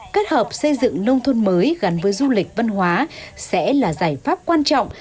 kết hợp xây dựng nông thôn mới gắn với du lịch văn hóa sẽ là giải pháp quan trọng